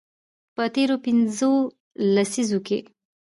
په تیرو پنځو لسیزو کې